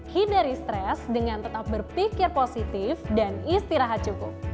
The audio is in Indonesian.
hindari stres dengan tetap berpikir positif dan istirahat cukup